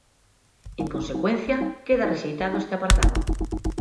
En consecuencia, queda rexeitado este apartado.